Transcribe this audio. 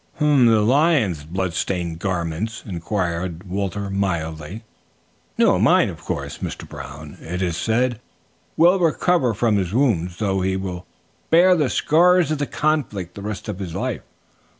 '" "The lion's bloodstained garments?" inquired Walter mildly. "No, mine, of course. 'Mr. Brown, it is said, will recover from his wounds, though he will bear the scars of the conflict the rest of his life.'